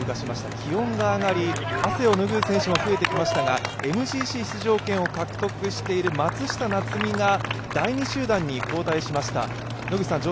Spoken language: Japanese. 気温が上がり汗を拭う選手も増えてきましたがＭＧＣ出場権を獲得している松下菜摘が第２集団に後退しました。